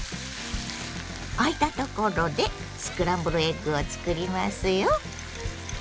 あいたところでスクランブルエッグを作りますよ。